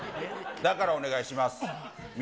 だからお願いします。